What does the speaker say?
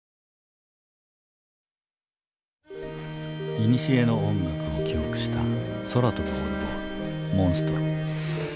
いにしえの音楽を記憶した空飛ぶオルゴール「モンストロ」。